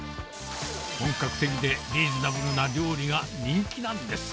本格的でリーズナブルな料理が人気なんです。